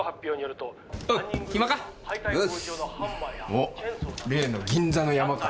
おっ例の銀座のヤマか。